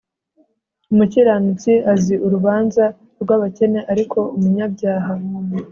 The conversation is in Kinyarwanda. umukiranutsi azi urubanza rwabakene ariko umunyabyaha